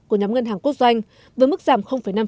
của nhóm ngân hàng quốc doanh với mức giảm năm